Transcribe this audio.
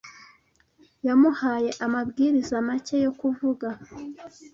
Yamuhaye amabwiriza make yo kuvuga.